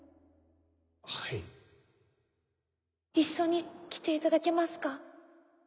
はい一緒に来ていただけますか？